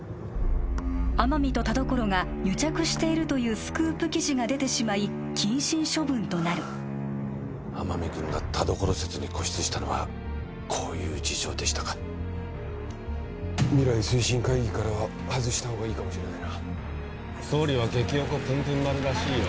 天海と田所が癒着しているというスクープ記事が出てしまい謹慎処分となる天海君が田所説に固執したのはこういう事情でしたか未来推進会議からは外した方がいいかもしれないな総理は激おこぷんぷん丸らしいよ